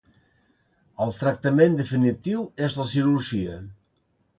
El tractament definitiu és la cirurgia.